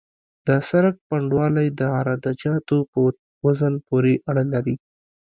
د سرک پنډوالی د عراده جاتو په وزن پورې اړه لري